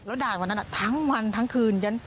แล้วด่าวันนั้นทั้งวันทั้งคืน